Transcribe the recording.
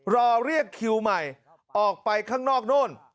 รอเรียกคิวใหม่ออกไปข้างนอกโน่น